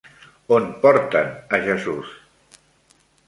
On porten a Jesús?